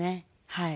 はい。